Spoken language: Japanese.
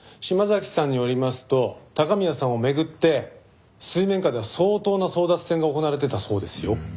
島崎さんによりますと高宮さんを巡って水面下では相当な争奪戦が行われていたそうですよ。